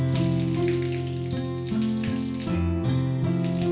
jangan lu dikatakan jadi gitu